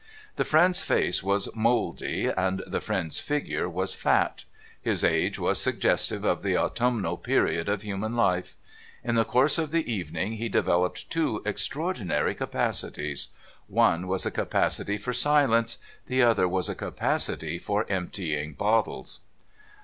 The friend's face was mouldy, and the friend's figure was fat. His age was suggestive of the autumnal period of human life. In the course of the evening he developed two extraordinary capacities. One was a capacity for silence ; the other was a capacity for emptying bottles.